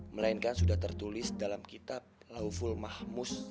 melainkan sudah tertulis dalam kitab la'uful mahmud